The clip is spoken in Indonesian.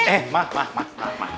eh mah mah mah